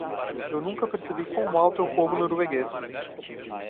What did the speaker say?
Eu nunca percebi o quão alto é o povo norueguês.